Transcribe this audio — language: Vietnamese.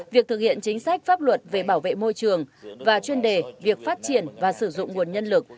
việc thực hiện chính sách pháp luật về bảo vệ môi trường và chuyên đề việc phát triển và sử dụng nguồn nhân lực